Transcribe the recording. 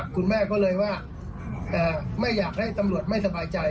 คุณแม่ก็เลยว่าไม่อยากให้ตำรวจไม่สบายใจ